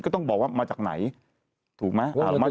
ก็ต้องบอกว่ามาจากไหนถูกไหม